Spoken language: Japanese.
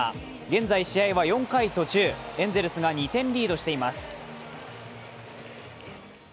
現在試合は４回途中、エンゼルスが２点リードしています